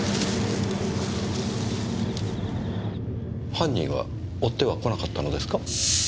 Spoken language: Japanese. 犯人は追っては来なかったのですか？